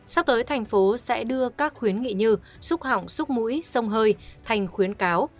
sắp tới thành phố sẽ đưa các khuyến nghị như xúc hỏng súc mũi sông hơi thành khuyến cáo